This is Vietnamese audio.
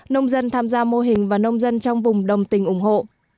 nông dân tham gia mô hình và nông dân trong vùng đồng tình ủng hộ